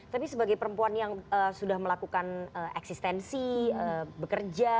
tapi sebagai perempuan yang sudah melakukan eksistensi bekerja